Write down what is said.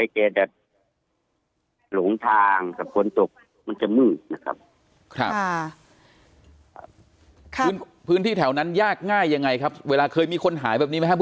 ครับผมเพราะว่าช่วงส้นท